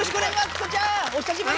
チコちゃん！お久しぶり！